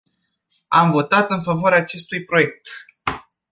Am votat în favoarea acestui proiect.